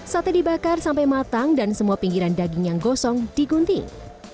sate dibakar sampai matang dan semua pinggiran daging yang gosong digunting